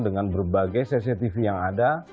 dengan berbagai cctv yang ada